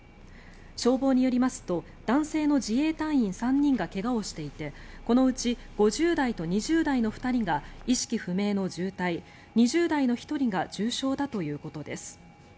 消防によりますと男性の自衛隊員３人が怪我をしていてこのうち５０代と２０代の２人が意識不明の重体２０代の１人が重傷だということです。